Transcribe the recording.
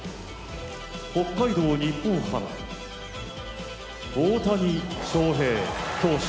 北海道日本ハム大谷翔平投手